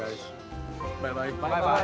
バイバイ。